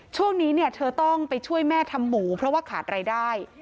ช่วงนี้เนี่ยเธอต้องไปช่วยแม่ทำหมูเพราะว่าขาดรายได้